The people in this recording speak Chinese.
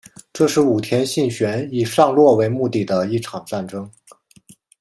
这是武田信玄以上洛为目的的一场战争。